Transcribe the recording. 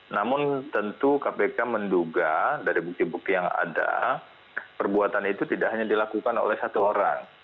namun tentu kpk menduga dari bukti bukti yang ada perbuatan itu tidak hanya dilakukan oleh satu orang